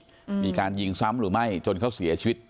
เข้าไปอีกมีการยิงซ้ำหรือไม่จนเขาเสียชีวิต